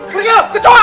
pergi lo kecua